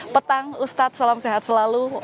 petang ustadz salam sehat selalu